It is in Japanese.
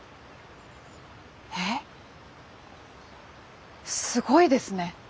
えっすごいですね！